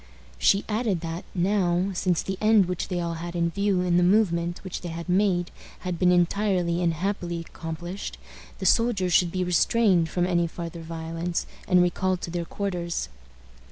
She added that, now, since the end which they all had in view in the movement which they had made had been entirely and happily accomplished, the soldiers should be restrained from any farther violence, and recalled to their quarters.